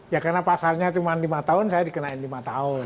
ya karena pasarnya cuma lima tahun saya dikenain lima tahun